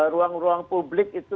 ruang ruang publik itu